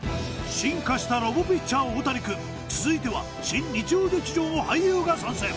進化したロボピッチャーオオタニくん続いては新日曜劇場の俳優が参戦